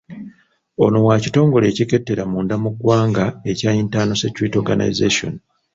Ono wa kitongole ekikettera munda mu ggwanga ekya Internal Security Organisation.